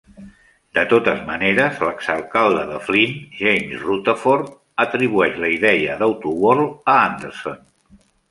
De totes maneres, l'exalcalde de Flint, James Rutherford, atribueix la idea d'AutoWorld a Anderson.